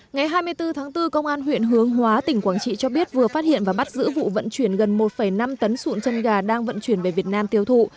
ngày hai mươi bốn tháng bốn công an huyện hướng hóa tỉnh quảng trị cho biết vừa phát hiện và bắt giữ vụ vận chuyển gần một năm tấn sụn chân gà đang vận chuyển về việt nam tiêu thụ